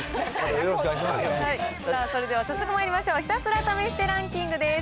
それでは早速まいりましょう、ひたすら試してランキングです。